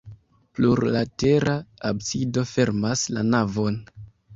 Plurlatera absido fermas la navon.